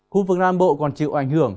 khu vực nam bộ còn chịu ảnh hưởng